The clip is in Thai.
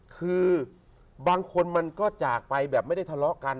คือบางคนมันก็จากไปแบบไม่ได้ทะเลาะกัน